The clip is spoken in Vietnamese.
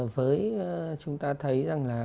với chúng ta thấy rằng là